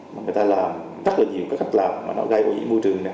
người ta làm rất là nhiều các cách làm mà nó gây vô dị môi trường